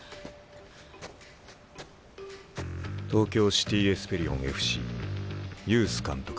東京シティ・エスペリオンＦＣユース監督